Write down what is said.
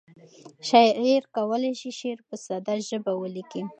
شاعر کولی شي شعر په ساده ژبه ولیکي.